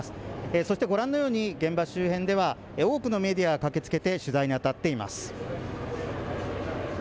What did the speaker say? そしてご覧のように、現場周辺では多くのメディアが駆けつけて、取材に当たっています。